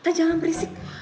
tante jangan berisik